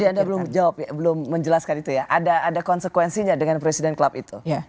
ada belum menjelaskan itu ya ada konsekuensinya dengan president s club itu